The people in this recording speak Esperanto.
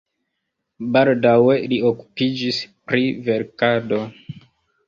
Baldaŭe li okupiĝis pri verkado.